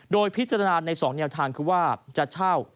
โดยพิจารณาใน๒แนวทางคือว่าจะเช่า